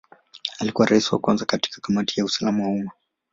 Alikuwa Rais wa kwanza katika Kamati ya usalama wa umma.